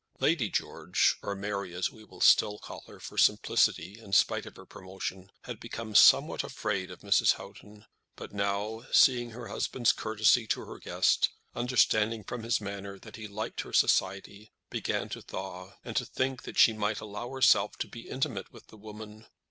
Lady George, or Mary, as we will still call her, for simplicity, in spite of her promotion, had become somewhat afraid of Mrs. Houghton; but now, seeing her husband's courtesy to her guest, understanding from his manner that he liked her society, began to thaw, and to think that she might allow herself to be intimate with the woman.